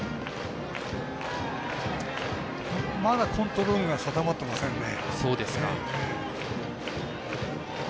まだコントロール定まってませんね。